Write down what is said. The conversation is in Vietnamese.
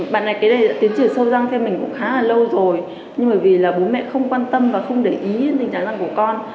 bạn này tiến triển sâu răng theo mình cũng khá là lâu rồi nhưng bởi vì là bố mẹ không quan tâm và không để ý đến tình trạng răng của con